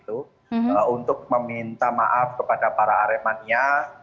untuk meminta maaf kepada para aremania